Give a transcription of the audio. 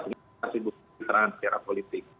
mesti sibuk bercerahan secara politik